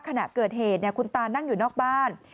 ขณะเกิดเหตุคุณตานั่งอยู่นอกบ้าน